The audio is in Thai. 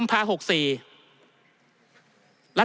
ท่านประธานครับนี่คือสิ่งที่สุดท้ายของท่านครับ